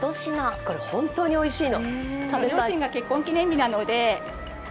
これ本当においしいの。